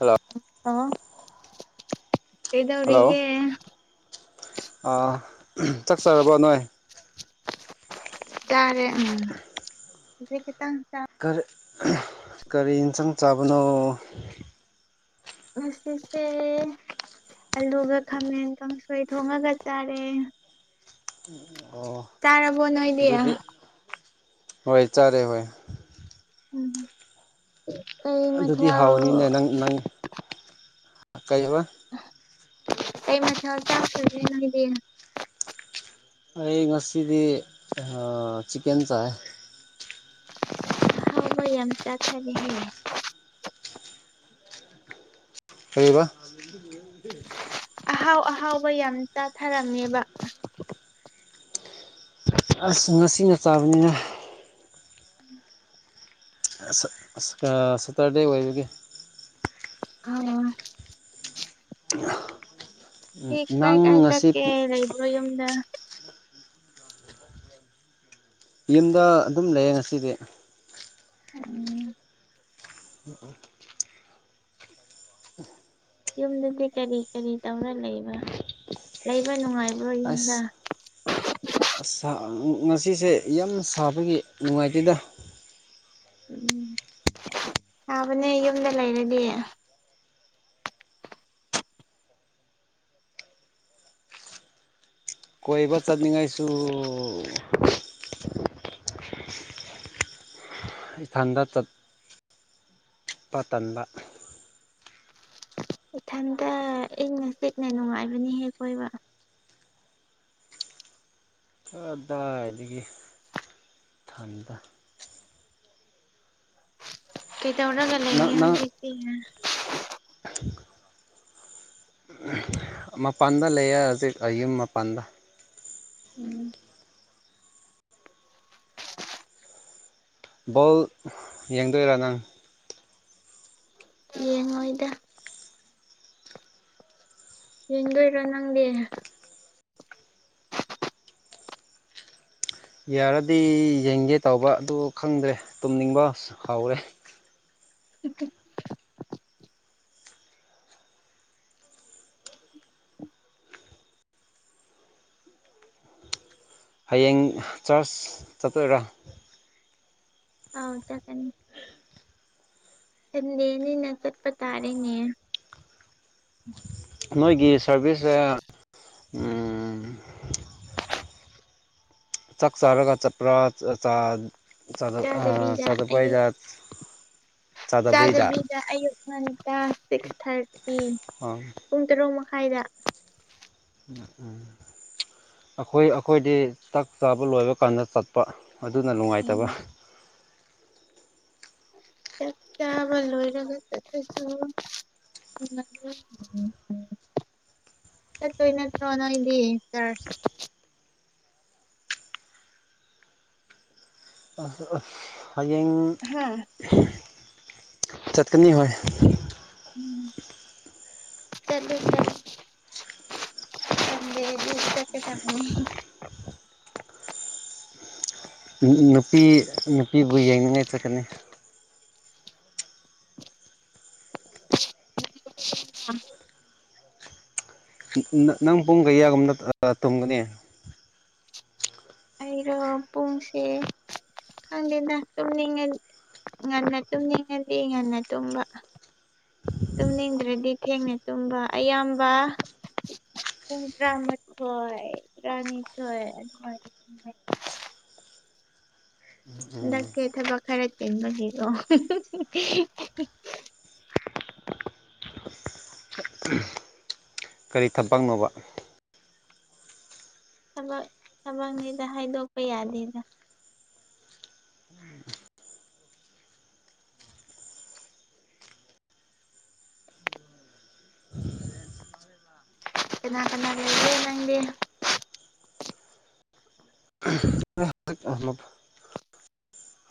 hello ꯑ ꯀꯧꯔꯤꯒꯦ ꯆꯥꯛꯆꯔꯕꯣ ꯅꯣꯏ ꯇꯔꯦ ꯎꯝ ꯑꯗꯨ ꯈꯤꯇꯪ ꯆꯥ ꯀꯔꯤ ꯀꯔꯤ ꯌꯦꯟꯁꯥꯡ ꯆꯥꯕꯅꯣ ꯑꯁꯁꯦ ꯑꯜꯂꯨꯒ ꯈꯝꯃꯦꯇꯪ ꯁꯣꯏ ꯊꯣꯡꯉꯒ ꯆꯥꯔꯦ ꯑꯣ ꯅꯥꯏꯅꯦ ꯑꯗꯨꯗꯤ ꯍꯣꯏ ꯆꯔꯦ ꯍꯣꯏ ꯎꯝ ꯀꯩ ꯑꯗꯨꯗꯤ ꯃꯊ ꯍꯥꯎꯅꯤꯅꯦ ꯀꯥꯏ ꯑꯩ ꯃꯥꯁꯤ ꯍ ꯆꯞꯁꯨ ꯍꯅꯣꯏꯗ ꯑꯩ ꯉꯁꯤꯗꯤ ꯆꯀꯦꯟ ꯆꯥꯏ ꯍꯕꯏ ꯌꯥꯝ ꯆꯥꯛꯕꯤ ꯍꯦ ꯍꯥꯏꯔꯤꯕ ꯑꯍꯥꯎ ꯑꯍꯥꯎꯕ ꯌꯥꯝ ꯆꯥꯊꯔꯝꯃꯦꯕ ꯑꯁ ꯉꯁꯤꯅ ꯆꯥꯕꯅꯤꯅ ꯎꯝ [unintelligible] [inaudible] ꯁꯇꯔꯗꯦ ꯑꯣꯏꯕꯒꯦ ꯑ [unintelligible] [inaudible] ꯀꯥꯏ ꯀꯥꯏ ꯅꯪ ꯉꯁꯤ ꯆꯠꯀꯦ ꯂꯩꯕ꯭ꯔꯣ ꯌꯨꯝꯗ ꯌꯨꯝꯗ ꯑꯗꯨꯝ ꯂꯩꯌꯦ ꯉꯁꯤꯗꯤ ꯎꯝ [inaudible] ꯑꯣ ꯑꯣ [unintelligible] [inaudible] ꯌꯨꯝꯗꯗꯤ ꯀꯔꯤ ꯀꯔꯤ ꯇꯧꯔ ꯂꯩꯕ ꯂꯩꯕ ꯅꯨꯡꯉꯥꯏꯕ [inaudible] ꯍ꯭ꯔ ꯌꯨꯝꯗ ꯑꯁ ꯑꯁ ꯉꯁꯤꯁꯦ ꯌꯥꯝ ꯁꯥꯕꯒꯤ ꯅꯨꯡꯉꯥꯏꯇꯦꯗ ꯎꯝ ꯁꯥꯥꯕꯅꯦ ꯌꯨꯝꯗ ꯂꯩꯔꯗꯤ ꯀꯣꯏꯕ ꯆꯠꯅꯤꯡꯉꯥꯏꯁꯨ ꯏꯁꯊꯟꯗ ꯆꯠꯄ ꯇꯟꯥꯟꯕ ꯏꯊꯟꯇ ꯏꯪꯅ ꯆꯤꯛꯅ ꯅꯨꯡꯉꯥꯏꯕꯅꯤ ꯍꯦꯛ ꯀꯣꯏꯕ ꯑꯗꯥ ꯑꯗꯒꯤ ꯊꯟꯗ ꯀꯩꯗ ꯑꯣꯒ ꯅꯪ ꯂꯒ ꯅꯪ ꯍꯧꯖꯤ ꯀ ꯃꯄꯥꯟꯗ ꯂꯩꯑ ꯍꯧꯖꯤꯛ ꯑꯩꯌꯨꯝ ꯃꯄꯥꯟꯗ ꯎꯝ ꯕꯣꯜ ꯌꯦꯡꯗꯣꯏꯔꯥ ꯅꯪ ꯌꯦꯡꯉꯣꯏꯗ ꯌꯦꯗꯣ ꯏꯔꯣ ꯅꯪꯗꯤ ꯌꯥꯔꯗꯤ ꯌꯦꯡꯒꯦ ꯇꯧꯕ ꯑꯗꯨ ꯈꯪꯗ꯭ꯔꯦ ꯇꯨꯝꯅꯤꯡꯕ ꯍꯥꯎꯔꯦ [inaudible] ꯍꯌꯦꯡ ꯆꯥꯔꯖ ꯆꯥꯄꯔꯥ ꯑ ꯆꯀꯅꯤ ꯆꯗꯅꯤ ꯅꯀꯗ ꯇꯥꯔꯦꯦ ꯅꯣꯏꯒꯤ ꯁꯥꯔꯚꯤꯁꯁꯦ ꯆꯥꯛ ꯆꯥꯔꯒ ꯆꯄ꯭ꯔꯥ ꯆ ꯆꯥꯗꯕꯤꯗ ꯑꯌꯨꯛ ꯆꯗꯨꯄꯩꯖꯖ ꯆꯥꯗꯕꯤꯗ ꯑꯌꯨꯛ ꯉꯟꯇꯥ ꯁꯤꯛꯁ ꯊꯥꯔꯇꯤ ꯑ ꯐꯥꯏꯗ ꯎ ꯎꯝ ꯑꯩꯈꯣꯏ ꯑꯩꯈꯣꯏꯗꯤ ꯆꯥꯛ ꯆꯥꯕ ꯂꯣꯏꯕ ꯀꯥꯟꯗ ꯆꯠꯄ ꯑꯗꯨꯅ ꯅꯨꯡꯉꯥꯏꯇꯕ ꯆ ꯀꯕ ꯂꯣꯏꯔꯕꯒꯦ ꯆꯁꯨꯣ ꯎꯝ ꯆꯠꯇꯣꯏ ꯅꯠꯇ꯭ꯔꯣ ꯅꯣꯏꯗꯤ ꯆꯔ ꯍꯌꯦꯡ ꯍꯥ ꯆꯥꯠꯅꯤ ꯍ ꯎꯝ ꯆꯠꯁ ꯗꯤ ꯀꯃ ꯅꯨꯄꯤ ꯅꯨꯄꯤꯕꯨ ꯌꯦꯡꯅꯤꯡꯉꯥꯏ ꯆꯠꯀꯅꯤ ꯑ ꯅꯪ ꯄꯨꯡ ꯀꯌꯥꯒꯨꯝꯅ ꯇꯨꯝꯒꯅꯤ ꯑꯩꯔꯣ ꯄꯨꯡꯁꯦ ꯈꯪꯗꯦꯅ ꯇꯨꯝꯅꯤꯡꯉ ꯉꯟꯅ ꯇꯨꯝꯅꯤꯡꯉꯗꯤ ꯉꯟꯅ ꯇꯨꯝꯕ ꯇꯨꯝꯅꯤꯡꯗ꯭ꯔꯗꯤ ꯊꯦꯡꯅ ꯇꯨꯝꯕ ꯑꯌꯥꯝꯕ ꯏꯗ꯭ꯔꯥ ꯃꯊ ꯍꯣꯏ ꯏ꯭ꯔꯥꯅꯤ ꯍꯣꯏ ꯑ ꯃ [inaudible] ꯂꯦ ꯊꯕ ꯈꯔ ꯀꯒ [inaudible] ꯀꯔꯤ ꯊꯄꯛꯅꯣꯕ ꯊ ꯊꯃꯛꯉꯩꯗ ꯍꯥꯏꯗꯣꯛꯄ ꯌꯥꯗꯦꯗ ꯀꯅꯥ ꯀꯅꯥ ꯂꯩ ꯂꯩ ꯂꯗꯦ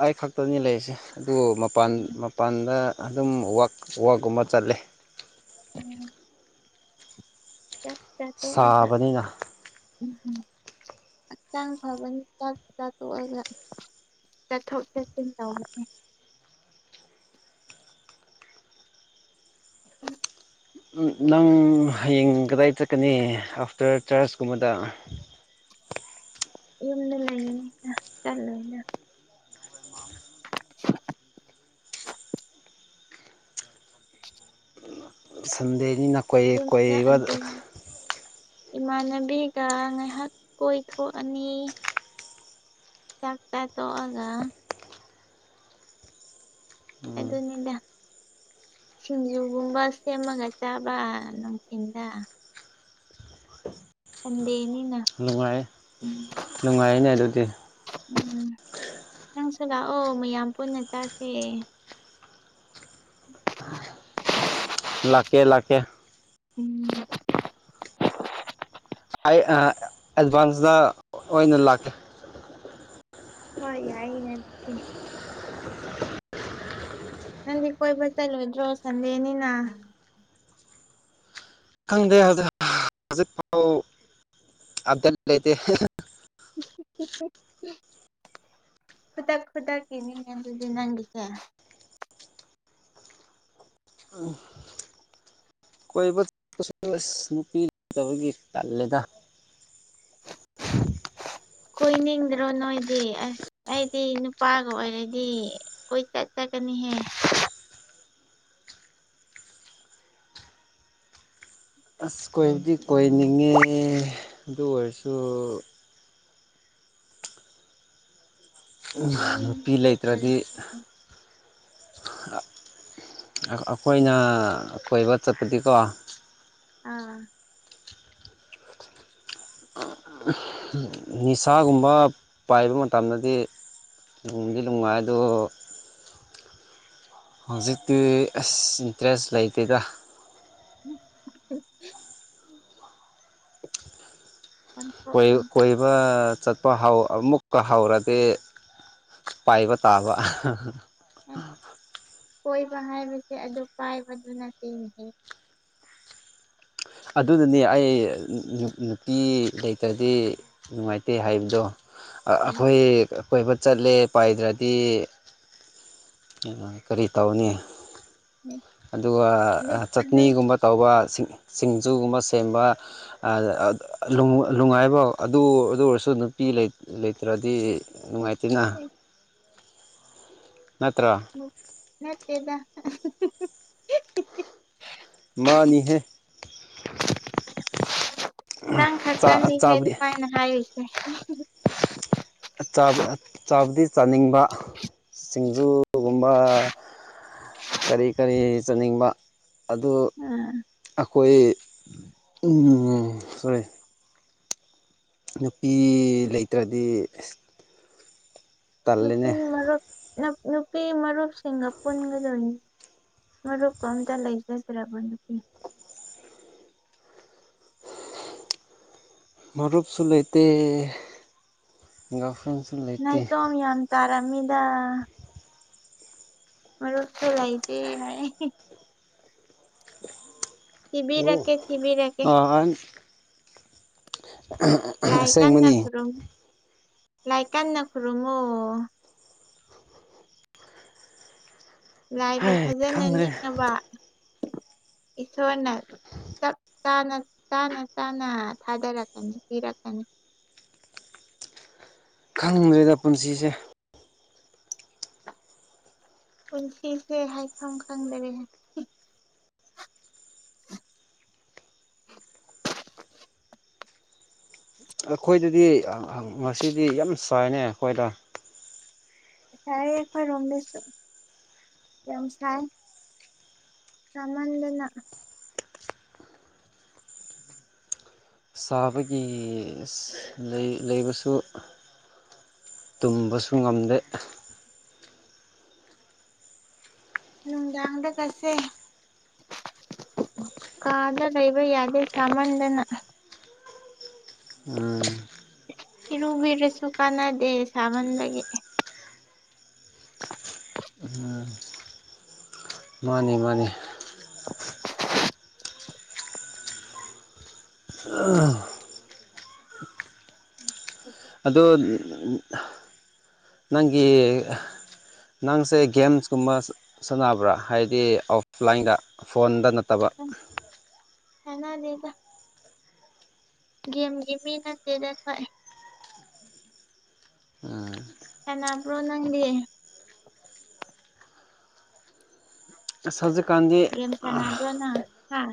ꯑꯩ ꯈꯛꯇꯅꯤ ꯂꯩꯔꯤꯁꯦ ꯑꯗꯨꯕꯨ ꯃꯄꯥꯟ ꯃꯄꯥꯟꯗ ꯑꯗꯨꯝ ꯋꯥꯛ ꯋꯥꯛꯀꯨꯝꯕ ꯆꯠꯂꯦ ꯎꯝ ꯁꯥꯕꯅꯤꯅ ꯎꯝ ꯎꯝ ꯍꯛꯆꯥꯡ ꯐꯕꯅꯤ ꯆꯥꯛ ꯆꯥ ꯇꯣꯛꯑꯒ ꯆꯠꯊꯣꯛ ꯆꯠꯁꯤꯟ ꯇꯧꯕꯅꯦ ꯎꯝ ꯅꯪ ꯍꯌꯦꯡ ꯀꯗꯥꯏ ꯆꯠꯀꯅꯤ ꯑꯥꯐꯇꯔ ꯆꯔꯆꯀꯨꯝꯕꯗ ꯌꯨꯝꯗ ꯂꯩꯌꯦꯅꯤꯅ ꯆꯠꯂꯣꯏꯅꯦ [inaudible] ꯁꯟꯗꯅꯤꯅꯅꯥ ꯌꯨꯝꯗ ꯀꯕ ꯑꯗꯨꯝ ꯏꯃꯥꯟꯅꯕꯤꯒ ꯉꯥꯏꯍꯥꯛ ꯀꯣꯏꯊꯣꯛꯑꯅꯤ ꯆꯥꯛꯥꯏ ꯇꯣꯑꯒ ꯑꯗꯨꯅꯤꯗꯥ ꯁꯤꯡꯖꯨꯒꯨꯝꯕ ꯁꯦꯝꯃꯒ ꯆꯥꯕ ꯅꯨꯡꯊꯤꯟꯗ ꯆꯗꯦꯅꯦ ꯅꯨꯡꯉꯥꯏ ꯅꯨꯡꯉꯥꯏꯅꯦ ꯑꯗꯨꯗꯤ ꯎꯝ ꯅꯪꯁꯨ ꯂꯥꯛꯑꯣ ꯃꯌꯥꯝ ꯄꯨꯟꯅ ꯆꯥꯁꯦ ꯑ ꯂꯀꯦ ꯂꯥꯀꯦ ꯎꯝ ꯑꯩ ꯑꯦꯗꯚꯥꯟꯁꯇ ꯑꯣꯏꯅ ꯂꯥꯛꯀꯦ ꯍꯣꯏ ꯌꯥꯏꯅꯦꯁꯨ ꯅꯗꯤ ꯀꯣꯏꯕꯨ ꯆꯂꯣꯏꯗ꯭ꯔꯣ ꯁꯟꯗꯦꯅꯤꯅꯥ ꯈꯪꯗꯦ ꯍꯧꯖꯤ ꯍꯧꯖꯤꯛ ꯐꯥꯎ ꯑꯞꯗꯦꯠ ꯂꯩꯇꯦ ꯈꯨꯗꯛ ꯈꯨꯗꯛꯀꯤꯅꯤꯉ ꯑꯗꯨꯗꯤ ꯅꯪꯒꯤꯁꯦ ꯑ ꯀꯣꯏꯕ ꯑꯁ ꯅꯨꯄꯤꯗꯕꯒꯤ ꯇꯜꯂꯦꯗ [unintelligible] ꯀꯣꯏꯅꯤꯡꯗ꯭ꯔꯣ ꯅꯣꯏꯗꯤ ꯑꯁ ꯑꯩꯗꯤ ꯅꯨꯄꯥꯒ ꯑꯣꯏꯔꯗꯤ ꯀꯣꯏ ꯆꯠ ꯒꯅꯤꯍ ꯎ ꯑꯁ ꯀꯣꯏꯕꯨꯗꯤ ꯀꯣꯏꯅꯤꯡꯉꯦ ꯑꯗꯨ ꯑꯣꯏꯔꯁꯨ ꯀꯣꯏꯅꯤꯡꯉꯦ ꯅꯨꯄꯤ ꯑꯗꯨ ꯂꯩꯇ꯭ꯔꯗꯤ ꯑꯣꯏꯔꯁꯨ ꯑꯩꯈꯣꯏꯅ ꯀꯣꯏꯕ ꯆꯠꯄꯗꯤꯀꯣ ꯑꯥ ꯅꯤꯁꯥꯒꯨꯝꯕ ꯄꯥꯏꯕ ꯃꯇꯝꯗꯗꯤ ꯂꯣꯡꯒꯤ ꯅꯨꯡꯉꯥꯏꯗꯣ ꯍꯧꯖꯤꯛꯇꯤ ꯑꯁ ꯏꯟꯇꯔꯦꯁ ꯂꯩꯇꯦꯗ o ꯑꯣꯟꯊꯣꯛ ꯑꯣꯟꯊꯦꯟ ꯀꯣꯏꯕ ꯆꯠꯄ ꯑꯃꯨꯛꯀ ꯍꯧꯔꯗꯤ ꯄꯥꯏꯕ ꯇꯥꯕ ꯀꯣꯏꯕ ꯍꯥꯏꯕꯁꯦ ꯑꯗꯨ ꯄꯥꯏꯕꯗꯨꯅ ꯆꯤꯡꯉ ꯑꯗꯨꯅꯅꯦ ꯑꯩ ꯅꯨꯄꯤ ꯂꯩꯇ꯭ꯔꯗꯤ ꯅꯨꯡꯉꯥꯏꯇꯦ ꯍꯥꯏꯕꯗꯣ ꯑꯩꯈꯣꯏ ꯀꯣꯏꯕ ꯆꯠꯂꯦ ꯄꯥꯏꯗ꯭ꯔꯗꯤ ꯀꯔꯤ ꯇꯧꯅꯤ ꯑꯗꯨꯒ ꯑꯗꯨ ꯑꯗꯨ ꯆꯠꯅꯤꯒꯨꯝꯕ ꯇꯧꯕꯁꯤꯡ ꯁꯤꯡꯖꯨꯒꯨꯝꯕ ꯁꯦꯝꯕ ꯅꯨꯡꯉꯥꯏꯐꯥꯎ ꯑꯗꯨ ꯑꯗꯨ ꯑꯣꯏꯔꯁꯨ ꯅꯨꯄꯤ ꯂꯩꯇ꯭ꯔꯗꯤ ꯅꯨꯡꯉꯥꯏꯇꯦꯅ ꯅꯠꯇ꯭ꯔ ꯗ ꯃꯥꯅꯤꯍꯦ ꯅꯪ ꯈꯔꯛꯇꯅꯤꯈꯦ ꯑꯗꯨꯃꯥꯏꯅ ꯍꯥꯏꯌꯨꯁꯦ ꯆꯥꯕꯗꯤ ꯆꯥꯅꯤꯡꯕ ꯁꯤꯡꯖꯨꯒꯨꯝꯕ ꯀꯔꯤ ꯀꯔꯤ ꯆꯠꯅꯤꯡꯕ ꯑ ꯑꯥ ꯑꯩꯈꯣꯏ ꯁꯣꯔꯤ ꯅꯨꯄꯤ ꯂꯩꯇ꯭ꯔꯗꯤ ꯅꯨꯄꯤ ꯇꯜꯂꯦꯅꯦ ꯃꯔꯨꯞ ꯅꯨꯄꯤ ꯃꯔꯨꯞꯁꯤꯡꯒ ꯄꯨꯟꯒꯗꯣꯏꯅꯤ ꯃꯔꯨꯞ ꯀꯝꯇ ꯂꯩꯖꯗ꯭ꯔꯕ ꯅꯨꯄꯤ [inaudible] ꯃꯔꯔꯨꯞ ꯁꯂꯥꯏꯇꯩ ꯅꯥꯇꯣꯝ ꯌꯥꯝ ꯇꯥꯔꯝꯃꯤꯗ ꯃꯔ ꯊ ꯔꯥꯏꯗꯤꯦ ꯊꯤꯕꯤꯔꯛꯀꯦ ꯊꯤꯕꯤꯔꯛꯀꯦ ꯑꯥ ꯑꯁꯦꯡꯕꯅꯤ ꯂꯏꯀꯥꯟꯗꯈꯔꯨ ꯂꯥꯏ ꯀꯥꯟꯟꯅ ꯈꯨꯔꯨꯝꯉꯣ ꯂꯥꯏꯕꯨ ꯍꯥꯏ ꯐꯖꯅ ꯈꯪꯗ꯭ꯔꯦ ꯅꯤꯡꯉꯕ [inaudible] ꯏꯁꯨꯣꯔꯅ ꯆꯞ ꯆ ꯆꯥꯅ ꯆꯅ ꯊꯥꯗꯔꯛꯀꯅꯤ ꯄꯤꯔꯛꯀꯅꯤ ꯈꯪꯗ꯭ꯔꯦꯗ ꯄꯨꯟꯁꯤꯁꯦ ꯄꯨꯟꯁꯤꯁꯦ ꯍꯥꯏꯐꯝ ꯈꯪꯗꯔꯦ [inaudible] ꯑꯩꯈꯣꯏꯗꯗꯤ ꯉꯁꯤꯗꯤ ꯌꯥꯝ ꯆꯥꯏꯅꯦ ꯑꯩꯈꯣꯏꯗ ꯁꯥꯏ ꯈꯣꯏ ꯔꯨꯝꯂꯤꯁꯣ ꯀꯦꯝ ꯁꯥꯏ ꯀꯃꯟꯗꯅ ꯁꯥꯕꯒꯤ ꯂꯩꯕꯁꯨ ꯇꯨꯝꯕꯁꯨꯨꯡ ꯉꯝꯗꯦ ꯎꯪꯗꯥꯗ ꯀꯁꯦ ꯀꯥꯗ ꯂꯩ ꯂꯩꯕ ꯌꯥꯗ ꯆꯃꯗꯅ ꯎꯝ ꯏꯔꯨꯕꯤꯔ ꯁꯨꯀꯅꯥ ꯗꯦ ꯁꯕꯟ ꯂꯒꯦ ꯃꯥꯅꯦ ꯃꯥꯅꯦ ꯑꯗꯣ ꯅꯪꯒꯤ ꯅꯪꯁꯦ ꯒꯦꯝꯁꯀꯨꯝꯕ ꯁꯥꯟꯅꯕ꯭ꯔꯥ ꯍꯥꯏꯕꯗꯤ ꯑꯣꯐꯂꯥꯏꯟꯗ ꯐꯣꯟꯗ ꯅꯠꯇꯕ ꯍꯅꯥ ꯂꯩꯒ ꯦꯝꯒꯤꯃꯤꯅ ꯇꯦꯗꯦꯟ ꯈ ꯑꯦꯟꯅ ꯄꯨ꯭ꯔꯣ ꯅ ꯁꯖꯦ ꯦꯝꯁ ꯅꯝꯕ꯭ꯔꯣꯅ ꯍꯥ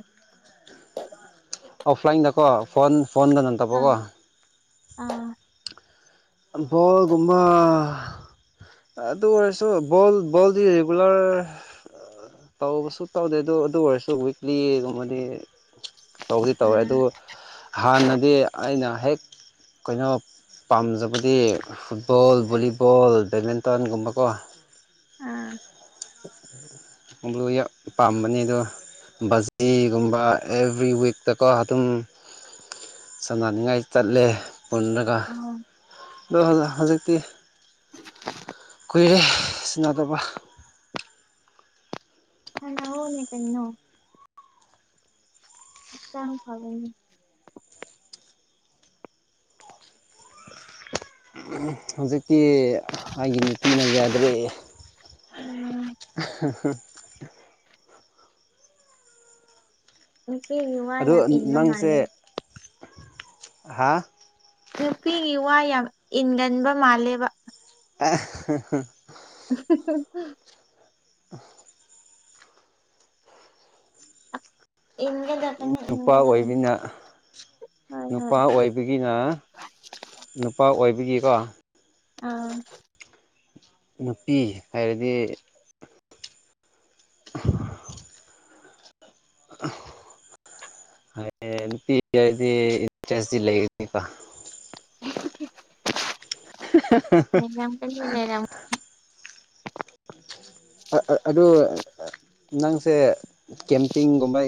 ꯑꯣꯐꯂꯥꯏꯟꯗꯀꯣ ꯐꯣꯟ ꯐꯣꯟꯗ ꯅꯪ ꯍꯥ ꯇꯕꯣꯀꯣ ꯑꯥ ꯣꯒꯨꯝꯕꯥ ꯑꯗꯨ ꯑꯣꯏꯔꯁꯨ ꯕꯣꯜ ꯕꯣꯜꯗꯤ ꯔꯤꯒꯨꯂꯔ ꯇꯧꯕꯁꯨ ꯇꯧꯗꯦ ꯑꯗꯣ ꯑꯗꯨ ꯑꯣꯏꯔꯁꯨ ꯋꯤꯛꯂꯤꯒꯨꯝꯕꯗꯤ ꯇꯧꯗꯤ ꯇꯧꯋꯦ ꯑꯥ ꯑꯗꯨꯕꯨ ꯍꯥꯟꯅꯗꯤ ꯑꯩꯅ ꯍꯦꯛ ꯀꯩꯅꯣ ꯄꯝꯖ ꯗꯤ ꯐꯨꯠꯕꯣꯜ ꯕꯣꯂꯤꯕꯣꯜ ꯕꯦꯠꯃꯤꯟꯇꯟꯒꯨꯝꯕꯀꯣ ꯑꯝ ꯄꯥꯝꯕꯅꯤꯗ ꯕꯥꯖꯤꯒꯨꯝꯕ ꯑꯦꯕ꯭ꯔꯤ ꯋꯤꯛꯇꯀꯣ ꯑꯗꯨ ꯑꯗꯨꯝ ꯁꯝꯅꯅꯤꯡꯉꯥꯏ ꯆꯠꯂꯦ ꯄꯨꯜꯂꯒ ꯑꯥ ꯑꯗꯣ ꯍꯧꯖꯤꯛꯇꯤ ꯀꯣꯏꯔꯦ ꯁꯤꯅꯥꯗꯧꯕ ꯁꯥꯅꯧꯉꯣꯅꯦ ꯀꯩꯅꯅꯣ ꯍꯛꯆꯥꯡ ꯐꯕꯅꯤ ꯍꯧꯖꯤꯛꯀꯤ ꯑꯩꯒꯤ ꯅꯨ ꯄꯤꯅ ꯌꯥꯗ꯭ꯔꯦ ꯎꯝ ꯅꯨꯄꯤꯒꯤ ꯋꯥ ꯑꯗꯣ ꯌꯥꯝ ꯏꯟꯕ ꯅꯪꯁꯦ ꯃꯥꯜꯂꯦ ꯍꯥ ꯅꯨꯄꯤꯒꯤ ꯋꯥ ꯌꯥꯝ ꯏꯟꯒꯟꯕ ꯃꯥꯜꯂꯦꯕ ꯑ [inaudible] ꯑ ꯏꯒ ꯆꯕꯅꯤ ꯅꯨꯄꯥ ꯏꯒ ꯆꯕꯅꯤ ꯑꯣꯏꯕꯅꯤꯅ ꯅꯨꯄꯥ ꯑꯣꯏꯕꯒꯤꯅ ꯅꯨꯄꯥ ꯑꯣꯏꯕꯒꯤꯀꯣ ꯑꯥ ꯅꯨꯄꯤ ꯍꯥꯏꯔꯗꯤ [inaudible] ꯑ ꯅꯨꯄꯤꯗꯤ ꯏꯟꯇꯔꯦꯇ ꯂꯩꯒꯀꯣ ꯃꯛꯇꯔ ꯑꯗꯨ ꯅꯪꯁꯦ ꯀꯦꯝꯄꯤꯡꯒꯨꯝꯕ